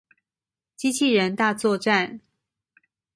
機器人大作戰